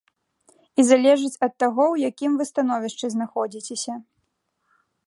І залежыць ад таго, у якім вы становішчы знаходзіцеся.